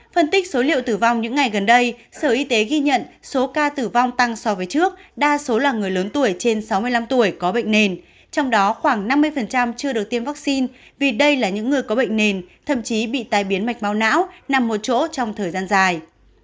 phân tích số liệu tử vong những ngày gần đây sở y tế ghi nhận số ca tử vong tăng so với trước đa số là người lớn tuổi trên sáu mươi năm tuổi có bệnh nền trong đó khoảng năm mươi chưa được tiêm vaccine vì đây là những người có bệnh nền thậm chí bị tai biến mạch máu não nằm một chỗ trong thời gian dài